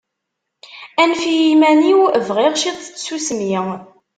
Anef-iyi iman-iw, bɣiɣ ciṭ n tsusmi